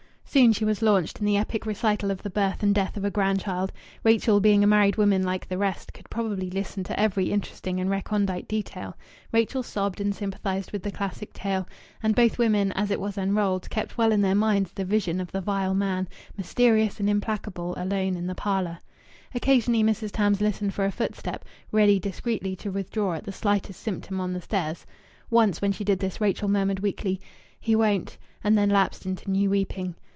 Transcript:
Soon she was launched in the epic recital of the birth and death of a grandchild; Rachel, being a married women like the rest, could properly listen to every interesting and recondite detail. Rachel sobbed and sympathized with the classic tale. And both women, as it was unrolled, kept well in their minds the vision of the vile man, mysterious and implacable, alone in the parlour. Occasionally Mrs. Tams listened for a footstep, ready discreetly to withdraw at the slightest symptom on the stairs. Once when she did this, Rachel murmured, weakly, "He won't " and then lapsed into new weeping.